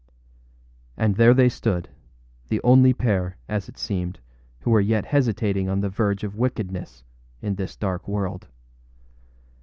And there they stood, the only pair, as it seemed, who were yet hesitating on the verge of wickedness in this dark world.